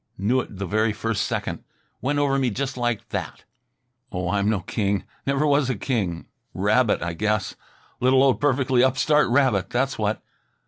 Knew it the very first second. Went over me just like that." "Oh, I'm no king; never was a king; rabbit, I guess. Little old perfectly upstart rabbit, that's what!"